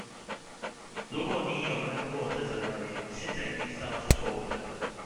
如果你也有看過這則謠言，現在已經知道是錯誤的了